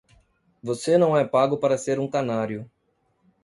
Você não é pago para ser um canário.